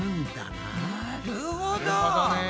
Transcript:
なるほどね。